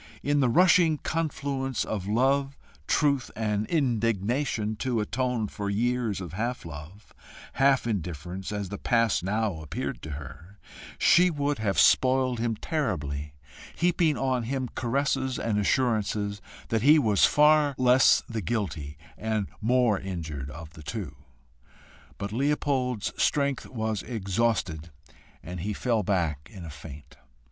In the rushing confluence of love, truth, and indignation, to atone for years of half love, half indifference, as the past now appeared to her, she would have spoiled him terribly, heaping on him caresses and assurances that he was far the less guilty and the more injured of the two; but Leopold's strength was exhausted, and he fell back in a faint.